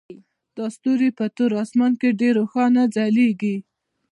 دا ستوري په تور اسمان کې ډیر روښانه ځلیږي